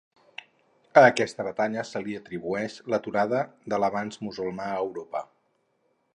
A aquesta batalla se li atribueix l'aturada de l'avanç musulmà a Europa.